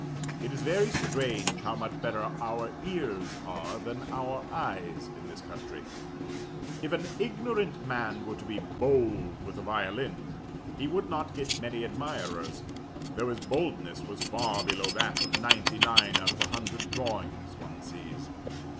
It is very strange how much better our ears are than our eyes in this country: if an ignorant man were to be "bold" with a violin, he would not get many admirers, though his boldness was far below that of ninety nine out of a hundred drawings one sees.'